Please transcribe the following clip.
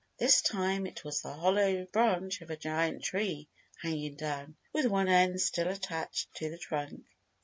This time it was the hollow branch of a giant tree hanging down, with one end still attached to the trunk.